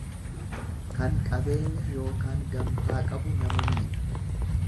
Kan qabeenya ykn gamtaa qabu nama miidha.